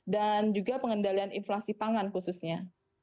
dan juga pengendalian inflasi pangan khususnya